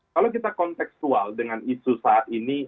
kalau kita konteksual dengan isu saat ini